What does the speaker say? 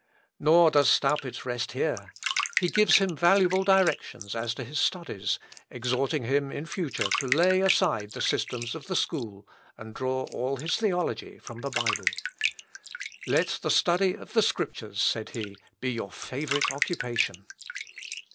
Nor does Staupitz rest here. He gives him valuable directions as to his studies, exhorting him in future to lay aside the systems of the school, and draw all his theology from the Bible. "Let the study of the Scriptures," said he, "be your favourite occupation."